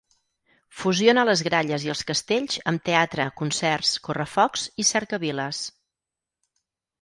Fusiona les gralles i els castells amb teatre, concerts, correfocs i cercaviles.